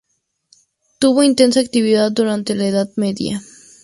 Tuvo intensa actividad durante la Edad Media.